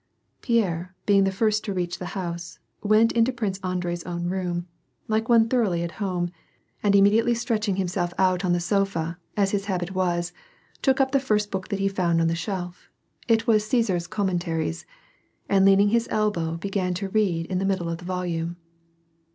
Pierre, being the first to reach the house, went into Prince Andrei's own room, like one thoroughly at home, and imme 26 WAR AND PEACE, diately stretching himself out on the sofa, as his habit was, took up the first book that he found on the shelf — it was Caesar's Commentaries — and leaning on his elbow began to read in the middle of the volume.